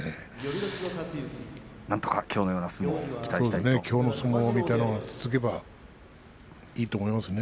なんとか、きょうのような相撲を期待したいですね。